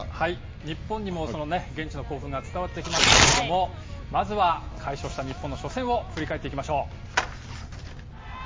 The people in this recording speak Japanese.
日本にもその現地の興奮が伝わってきましたけれども、まずは、快勝した日本の初戦を振り返っていきましょう。